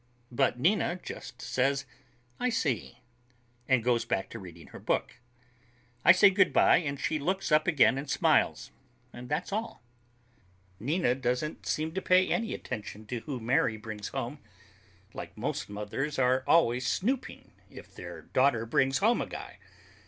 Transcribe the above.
But Nina just says, "I see," and goes back to reading her book. I say good bye and she looks up again and smiles, and that's all. It's another funny thing—Nina doesn't seem to pay any attention to who Mary brings home, like most mothers are always snooping if their daughter brings home a guy.